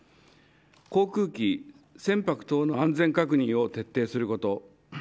航空機、船舶等の安全確認を徹底すること。